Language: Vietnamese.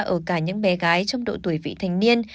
ở cả những bé gái trong độ tuổi vị thành niên